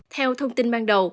theo thông tin ban đầu